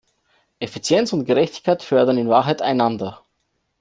Effizienz und Gerechtigkeit fördern in Wahrheit einander.